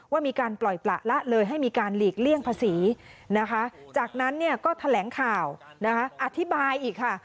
ว่ามีการปล่อยประละเลยให้มีการหลีกเลี่ยงภาษีนะคะจากนั้นเนี่ยก็แถลงข่าวนะคะอธิบายอีกค่ะ